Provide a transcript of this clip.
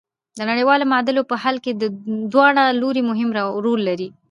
د نړیوالو معادلو په حل کې دواړه لوري مهم رول لري.